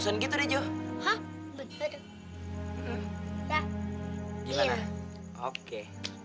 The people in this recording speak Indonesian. deh jo betul betul gimana oke